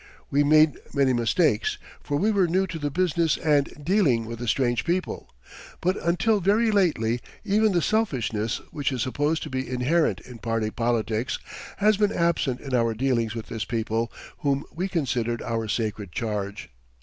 We made many mistakes, for we were new to the business and dealing with a strange people, but until very lately even the selfishness which is supposed to be inherent in party politics has been absent in our dealings with this people, whom we considered our sacred charge.